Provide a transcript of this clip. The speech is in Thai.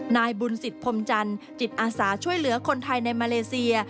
นายบุญสิทธิพรมจันทร์จิตอาสาช่วยเหลือคนไทยในมาเลเซีย